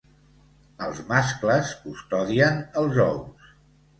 Els mascles custodien els ous.